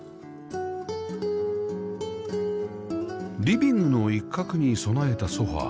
リビングの一角に備えたソファ